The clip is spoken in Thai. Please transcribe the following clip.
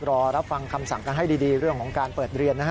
รอรับฟังคำสั่งกันให้ดีเรื่องของการเปิดเรียนนะฮะ